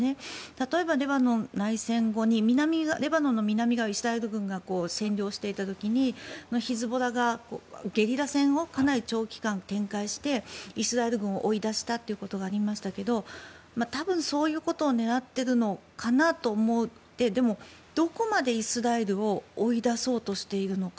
例えばレバノン内戦後にレバノンの南をイスラエル軍が占領していた時にヒズボラがゲリラ戦をかなり長期間、展開してイスラエル軍を追い出したということがありましたけど多分、そういうことを狙っているのかなと思ってでも、どこまでイスラエルを追い出そうとしているのか。